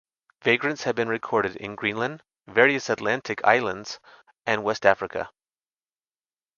Vagrants have been recorded in Greenland, various Atlantic islands, and West Africa.